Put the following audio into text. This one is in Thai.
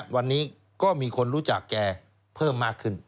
วันนี้ก็มีคนรู้จักแกเพิ่มมากขึ้น